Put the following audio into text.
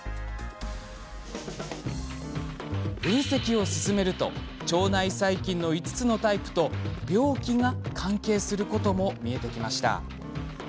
分析を進めると腸内細菌の５つのタイプと病気が、関係することも見えてきました。